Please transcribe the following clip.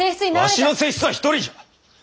わしの正室は一人じゃ！